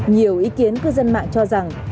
nhiều ý kiến cư dân mạng cho rằng